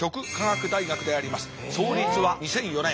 創立は２００４年。